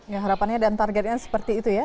ya harapannya dan targetnya seperti itu ya